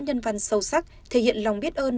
nhân văn sâu sắc thể hiện lòng biết ơn